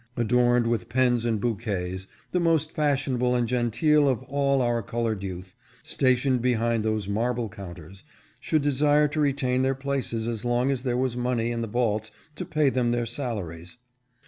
491 adorned with pens and bouquets, the most fashionable and genteel of all our colored youth, stationed behind those marble counters, should desire to retain their places as long as there was money in the vaults to pay them their salaries.